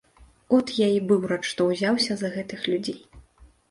От я і быў рад, што ўзяўся за гэтых людзей.